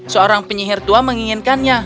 seorang penyihir tua menginginkannya